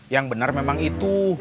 yang benar memang itu